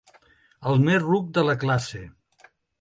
El més ruc de la classe.